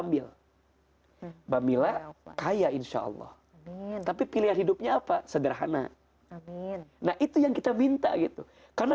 pilih kaya insyaallah tapi pilihan hidupnya apa sederhana nah itu yang kita minta gitu karena